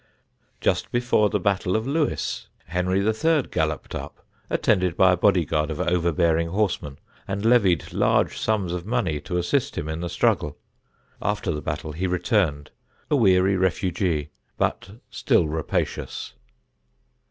[Sidenote: KINGS AT BATTLE] Just before the Battle of Lewes, Henry III. galloped up, attended by a body guard of overbearing horsemen, and levied large sums of money to assist him in the struggle. After the battle he returned, a weary refugee, but still rapacious.